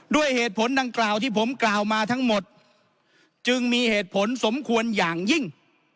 ด้วยเหตุผลดังกล่าวที่ผมกล่าวมาทั้งหมดจึงมีเหตุผลสมควรอย่างยิ่ง